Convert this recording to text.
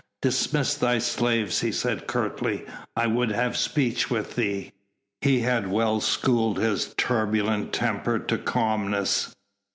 "Dismiss thy slaves," he said curtly, "I would have speech with thee." He had well schooled his turbulent temper to calmness.